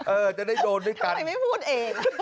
เออจะได้โดนด้วยกันอันนี้ไม่พูดเอง